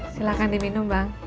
silahkan diminum bang